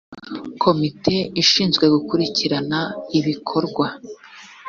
komite ishinzwe gukurikirana ibikorwa